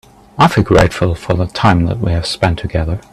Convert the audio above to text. I feel grateful for the time that we have spend together.